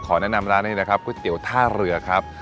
แนะนำร้านนี้นะครับก๋วยเตี๋ยวท่าเรือครับ